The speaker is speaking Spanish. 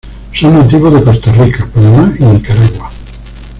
Son nativos de Costa Rica, Panamá y Nicaragua.